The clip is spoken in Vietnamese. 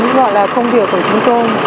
những loại là công việc của chúng tôi